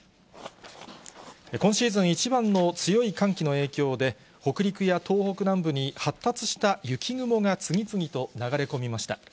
今シーズン一番の強い寒気の影響で、北陸や東北南部に発達した雪雲が次々と流れ込みました。